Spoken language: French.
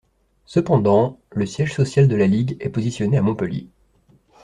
Cependant, le siège social de la Ligue est positionné à Montpellier.